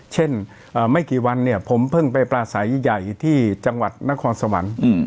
เช่นไม่กี่วันเนี่ยผมเพิ่งไปปลาใสใหญ่ที่จังหวัดนครสวรรค์